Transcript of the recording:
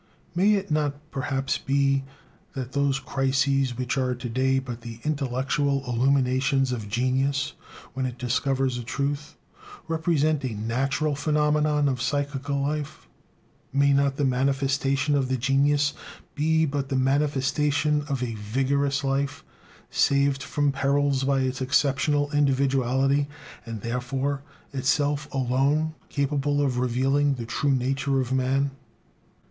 May it not perhaps be that those "crises," which are to day but the intellectual illuminations of genius when it discovers a truth, represent a natural phenomenon of psychical life? May not the manifestation of the genius be but the manifestation of a "vigorous life," saved from perils by its exceptional individuality, and therefore itself alone capable of revealing the true nature of man?